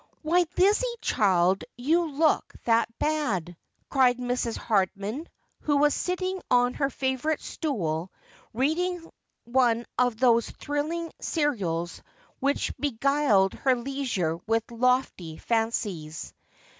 ' Why, Lizzie, child, you look that bad '' cried Mrs. Hard man, who was sitting on her favourite stool, reading one of those thrilling serials which beguiled her leisure with lofty fancies.